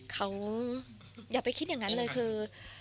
เขาอย่าไปคิดอย่างนั้นเลยคือ